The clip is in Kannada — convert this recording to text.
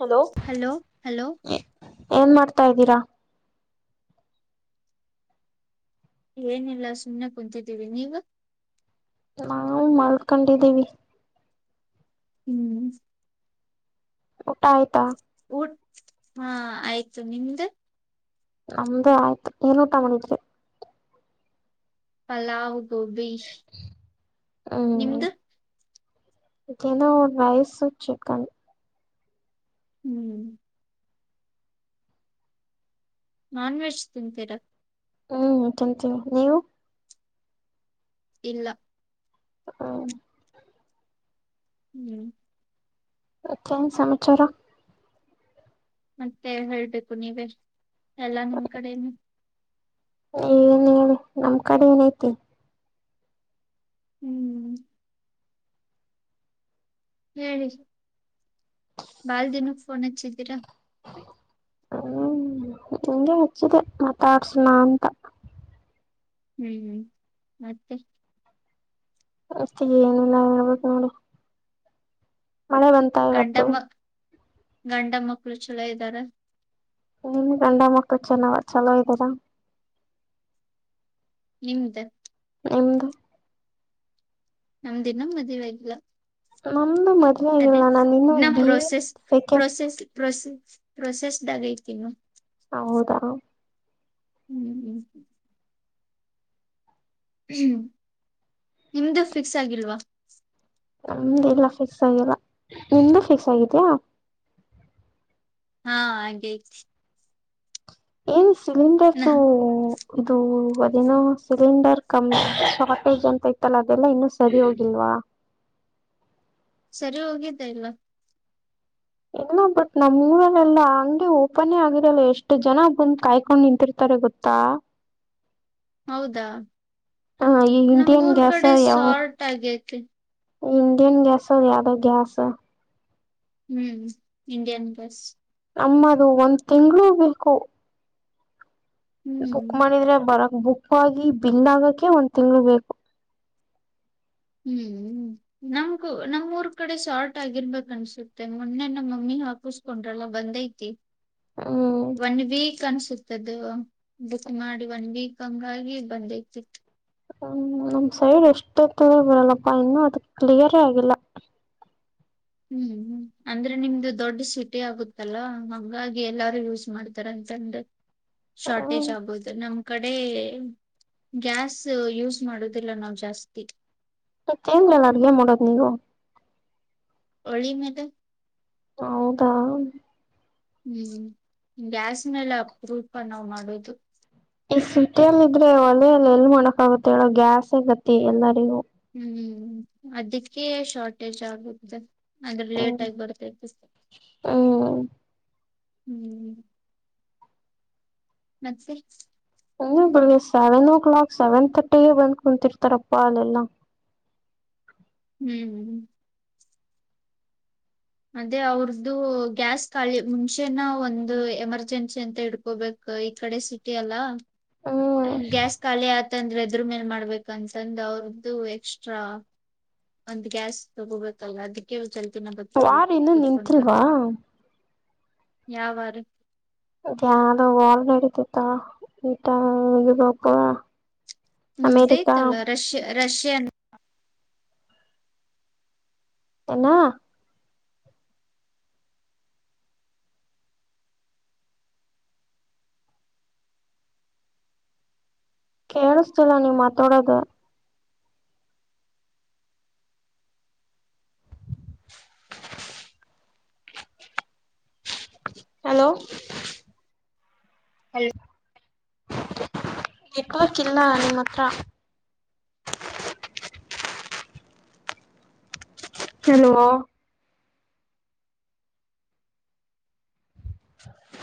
ಹಲೋ ಏನ್ ಮಾಡ್ತ ತಾ ಇದ್ದೀರಾ ಏನಿಲ್ಲ ಸುಮ್ಮ್ನೆ ಕುಂತಿದಿವಿ ನೀವು ನಾವು ಮಾಡಲ್ಕೊಂಡಿದ್ದೀವಿ ಹ್ಮ್ ಊಟ ಆಯ್ತಾ ಊಟ್ ಹಾ ಆಯ್ತು ನಿಮ್ದ ನಮ್ದೇ ಆಯ್ತು ಏನೂಟ ಮಾಡಣಿದ್ರಿ ಪಲಾವ್ ಗೋಬಿ ನಿಮ್ದ ಯನೋ ಒಂದು ವಯಸ್ಸು ಚಕ್ಕನ್ ಹ್ಮ್ ನಾನ್ ವೆಜ್ ತಿಂತೀರ ಹ್ಮ್ ತಿಂತೀವಿ ನೀವು ಇಲ್ಲ ಹ ಹ್ಮ್ ತ್ತನು ಸಮಾಚಾರ ಮತ್ತೆ ಹೇಳ್ಬೇಕು ನೀವೇ ಎಲ್ಲ ನಿಮ್ ಕಡೆನು ಏನ್ ಹೇಳಿ ನಮ್ ಕಡೆ ಏನೈತಿ ಹ್ಮ್ ಹ್ಮ್ ಬಾಲ್ ದಿನಕ್ಕೆ ಫೋನ್ ಹಚ್ಚಿದ್ದೀರಾ ಹ್ಮ್ ನಿಂಗೆ ಮುಚ್ಚಿದೆ ಮಾತಾಡ್ಸಣ ಅಂತ ಹು ಮತ್ತೆ ಮತ್ತೆ ಏನಿಲ್ಲಾ ಹೇಳ್ಬೇಕು ನೋಡಿ ಮಳೆ ಬಂತ ಇವತ್ತು ಗಂಡಮ್ಮ ಗಂಡ ಮಕ್ಕಳು ಛಲೋ ಇದ್ದಾರ ನೀನ್ ಗಂಡ ಮಕ್ಕಳು ಚೆನ್ನಾ ಚಲೋ ಇದ್ದೀಾರಾ ನಿಮ್ದ ನಿಮ್ದು ನಮ್ದಿನ ಮದುವೆ ಆಗಿಲ್ಲ ನಮ್ದು ಮದ್ವೆ ಅದೇ ಆಗಿಲ್ಲ ನಾನ ಇನ್ನು ಇನ್ನ B A process second process ಪ್ರೊಸೆ process ಐತಿನ್ನು ಹೌದಾ ಹು ಹ್ಮ್ ನಿಮ್ದು ಫಿಕ್ಸ್ ಆಗಿಲ್ವಾ ನಮ್ದ ಇಲ್ಲ ಫಿಕ್ಸ್ ಆಗಿಲ್ಲ ನಿಮ್ದು ಫಿಕ್ಸ್ ಆಗಿದಯಾ ಹಾ ಹಾಗೆತಿ ಏನು ಸಿಲಿಂಡರ್ದ ಇದು ಅದನ ಸಿಲಿಂಡರ್ ಕಮ ಶಾರ್ಟೇಜ್ ಅಂತ ಇತ್ತಲ್ಲ ಅದೆಲ್ಲಾ ಇನ್ನು ಸರಿ ಹೋಗಿಲ್ವಾ ಹಾ ಸರಿ ಹೋಗಿದ್ದ ಇಲ್ಲ ಹ ಬಟ್ ನಮ್ ಊರಲ್ಲೆಲ್ಲಾ ಹಂಗಗೆ ಓಪನ್ಯ ಆಗಿರಲ್ಲ ಎಷ್ಟು ಜನ ಬಂದ್ ಕಾಯ್ಕೊಂಡ್ ನಿಂತಿರ್ತಾರೆ ಗೊತ್ತಾ [unintelligible] [inaudible] ಹೌದಾ ಹ ಈ ನಮ್ಮ್ ಇಂಡಿಯನ್ ಊರ್ ಗ್ಯಾಸ್ ಕಡೆ ಯಾವ ಸಾರ್ಟ್ ಆಗೇತಿ ಇಂಡಿಯನ್ ಗ್ಯಾಸ್ ಅದು ಯಾವ್ದ ಹು ಇಂಡಿಯನ್ ಗ್ಯಾಸ್ ನಮ್ಮದು ಒಂದ್ ತಿಂಗಗಳುೂ ಬೇಕು ಬುಕ್ ಹ್ಮ್ ಮಾಡಿದ್ರೆ ಬರಕ್ ಬುಕ್ ಆಗಿ ಬಿಲ್ ಆಗಕ ಒಂದ್ ತಿಂಗ್ಳ ಬೇಕು ಹ್ಮ್ ನಮ್ಗೂ ನಮ್ ಊರ್ ಕಡೆ ಶಾರ್ಟ್ ಆಗಿರ್ಬೇಕ ಅನ್ಸುತ್ತೆ ಮೊನ್ನೆ ನಮ್ಮಮ್ಮಿ ಹಾಪಿಸಕೊಂಡ್ರಲ್ಲ ಬಂದೈತಿ ಹ್ಮ್ ಒನ್ ವೀಕ್ ಅನ್ಸುತ್ತೆ ದು ಬುಕ್ ಮಾಡಿ ಒನ್ ವೀಕ್ ಹಂಗಾಗಿ ಬಂದಿತಿತ್ತು ಹ್ಮ್ ನಮ ಸೈಡ್ ಎಷ್ಟುತ್ತ ಬರಲ್ಲಪ್ಪ ಇನ್ನು ಅದ ಕ್ಲಿಯರೇ ಆಗಿಲ್ಲ ಹ್ಮ್ ಅಂದ್ರೆ ನಿಮ್ದು ದೊಡ್ಡ ಸೀಟಿ ಆಗುತ್ತಲ್ಲ ಹಂಗಾಗಿ ಎಲ್ಲಾರು ಯೂಸ್ ಮಾಡ್ತಾರ ಶಾರ್ಟೇಜ್ ಹ್ಮ್ ಆಗ್ಬೋುದು ನಮ ಕಡೆ ಗ್ಯಾಸ್ ಯೂಸ್ ಮಾಡುದಿಲ್ಲ ನಾವ್ ಜಾಸ್ತಿ ಮ ಚೇನ್್ಲಲ್ಲ ಅಗ ಮಾಡಡೋದು್ ನೀವು ಹೊಳಿ ಮದ ಹೌದಾ ಹ್ಮ್ ಗ್ಯಾಸ್ ಮೇಲೆ ಅಪೂಪ ನಾವ್ ಮಾಡೋದು ಈ ಸುತಿಯಲ್ಲ ಇದ್ರೆ ಒಲೆಯಲ್ಲಿ ಎಲ್ಲಿ ಮೊಣಕ ಆಗುತ್ತೆ ಹೇಳ ಗ್ಯಾಸ್ೇಗತಿ ಎಲ್ಲರಿಗೂ ಹ್ಮ್ ಅದಕ್ಕೆ ಶಾರ್ಟೇಜ್ ಆಗಿದೆ ಆದದ್ರೆ ಹ್ಮ್ ಲೇಟ್ ಆಗಿ ಬರುತ್ತೆ ಪ ಹ್ಮ್ ಹ್ಮ್ ಮತ್ತೆ ಇ ಬಿಳಗ್ಗೆ ಸೆವೆನ್ ಓ ಕ್ಲಾಕ್ ಸೆವೆನ್ ತರ್ಟಿಗೆ ಬಂದ್ ಕುಂತರ್ತಾರಪ್ಪಾ ಅಲ್ಲೆಲ್ಲ ಹ್ಮ್್ಮ ಅದೇ ಅವ್ರ್ದು ಗ್ಯಾಸ್ ಕಳಿ ಮುಂಚೆನ ಒಂದು ಎಮರ್ಜೆನ್ಸಿ ಅಂತ ಹಡ್ಕೋಬೇಕು ಇ ಕಡೆ ಸಿಟಿ ಅಲ್ಲ ಹ್ಮ್ ಗ್ಯಾಸ್ ಖಾಲಿ ಆತಂದ್ರೆ ಅದ್ರ ಮೇಲ್ ಮಾಡ್ಬೇಕಂತಂದ್ ಅವ್ರದ್ದು ಎಕ್ಸ್ಟ್ರಾ ಒಂದ್ ಗ್ಯಾಸ್ ತಗೋಬೇಕತ್ತಲ್ಲ ಅದಕ್ಕೆ ಸ್ವಲ್ಪ ವಾರ್ ಇನ್ನುೂ ನಿಂತಲ್ವಾ ಯಾವಾರು ಯದೋ ಹೋಲ್ ನಡೀತಿತ್ತ ಈಟ ಇಬ ಮುಗ್ದ ತಲ್ಲ ರಷ ರಷಿಯನ್ ಎ್ಣ ಕೇಳಸ್ತಿಲ್ಲ ನೀಮ ಮಾತೋಡದ [unintelligible] ಹಲೋ ಹಲೋ ನೆಟ್ವರ್ಕ್ ಇಲ್ಲ ಅಲ್ಲಿ ಮಾತ್ರ [unintelligible] ಹಲೋ ಹ